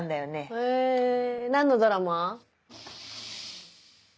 へぇ何のドラマ？